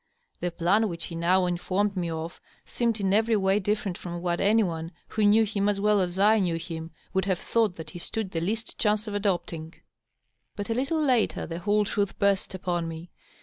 The plan which DOUGLAS DUANE. 579 he now informed me of seemed in every way different from what any one who knew him as well as I knew him would have thought that he stood the least chance of adopting. But a little later the whole truth burst upon me.